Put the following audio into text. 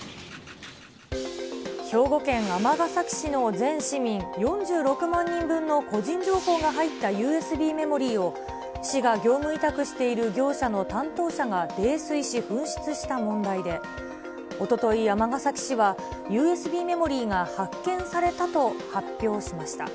兵庫県尼崎市の全市民４６万人分の個人情報が入ったＵＳＢメモリーを、市が業務委託している業者の担当者が泥酔し紛失した問題で、おととい、尼崎市は、ＵＳＢメモリーが発見されたと発表しました。